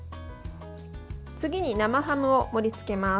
次に生ハムを盛りつけます。